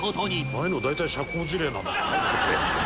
「ああいうの大体社交辞令なんだけどね」